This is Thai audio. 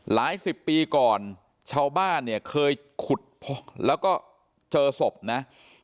หลายสิบปีก่อนชาวบ้านเนี่ยเคยขุดพบแล้วก็เจอศพนะ